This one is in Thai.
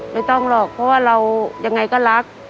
ไม่ต้องหรอกเพราะว่าเรายังไงก็รัก